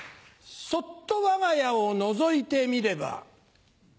そっとわが家をのぞいてみれば。